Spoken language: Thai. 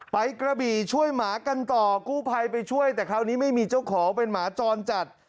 กระบี่ช่วยหมากันต่อกู้ภัยไปช่วยแต่คราวนี้ไม่มีเจ้าของเป็นหมาจรจัด